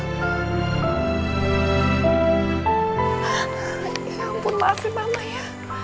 ya ampun maafin mama ya